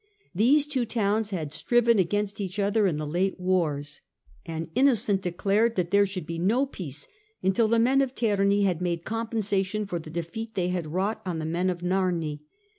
These two towns had striven against each other in the late wars, and Innocent declared that there should be no peace until the men of Terni had made compensation for the defeat they had wrought on the men of Narni.